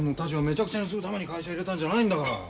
めちゃくちゃにするために会社入れたんじゃないんだから。